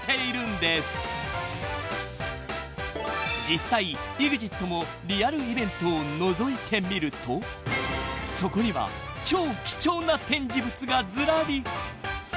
［実際ＥＸＩＴもリアルイベントをのぞいてみるとそこには超貴重な展示物がずらり］